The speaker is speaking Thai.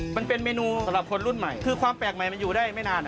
มันเป็นเมนูสำหรับคนรุ่นใหม่คือความแปลกใหม่มันอยู่ได้ไม่นาน